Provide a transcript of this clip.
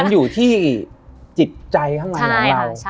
มันอยู่ที่จิตใจข้างในของเรา